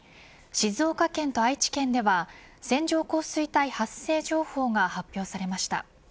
静岡県と愛知県では線状降水帯発生情報が発表されました。